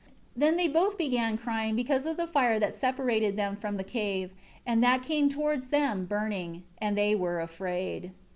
8 Then they both began crying because of the fire that separated them from the cave, and that came towards them, burning. And they were afraid.